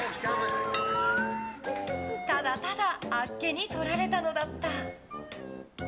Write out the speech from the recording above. ただただあっけにとられたのだった。